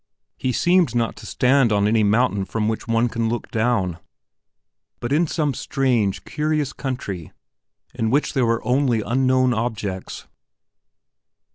He seemed not to stand on any mountain from which one can look down, but in some strange, curious country in which there were only unknown objects.